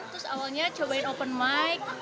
terus awalnya cobain open mic